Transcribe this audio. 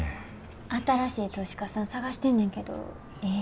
新しい投資家さん探してんねんけどええ